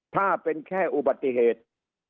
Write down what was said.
ถ้าเป็นแค่อุบัติเหตุ